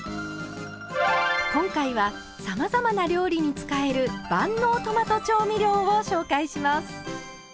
今回はさまざまな料理に使える万能トマト調味料を紹介します。